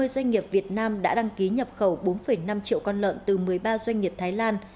ba mươi doanh nghiệp việt nam đã đăng ký nhập khẩu bốn năm triệu con lợn từ một mươi ba doanh nghiệp thái lan